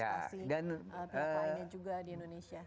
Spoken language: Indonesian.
dan juga pilih pilih lainnya di indonesia